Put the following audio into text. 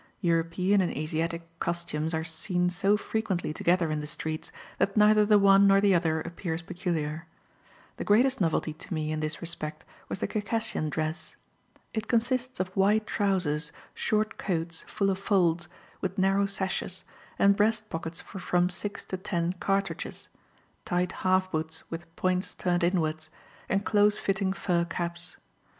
European and Asiatic costumes are seen so frequently together in the streets, that neither the one nor the other appears peculiar. The greatest novelty to me, in this respect, was the Circassian dress. It consists of wide trousers, short coats full of folds, with narrow sashes, and breast pockets for from six to ten cartridges; tight half boots, with points turned inwards, and close fitting fur caps.